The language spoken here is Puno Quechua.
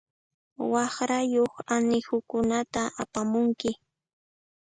Waqrayuq anihukunata apamunki.